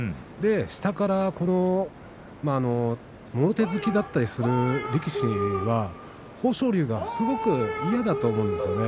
下からもろ手突きだったりする力士は、豊昇龍はすごく嫌だと思うんですね。